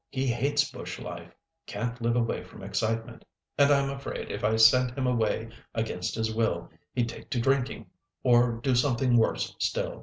He hates bush life—can't live away from excitement—and I'm afraid, if I sent him away against his will, he'd take to drinking, or do something worse still.